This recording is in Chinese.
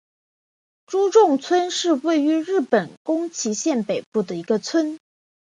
诸冢村是位于日本宫崎县北部的一个村。